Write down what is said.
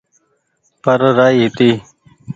پر رآئي هيتي